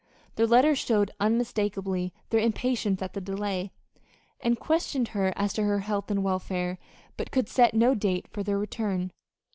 Their letters showed unmistakably their impatience at the delay, and questioned her as to her health and welfare, but could set no date for their return.